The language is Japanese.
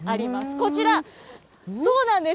こちら、そうなんです。